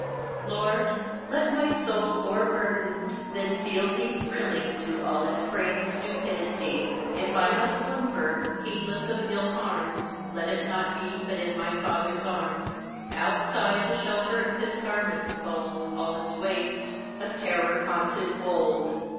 Lord, let my soul o'erburdened then feel thee Thrilling through all its brain's stupidity. If I must slumber, heedless of ill harms, Let it not be but in my Father's arms; Outside the shelter of his garment's fold, All is a waste, a terror haunted wold.